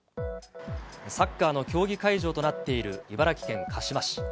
サッカーの競技会場となっている茨城県鹿嶋市。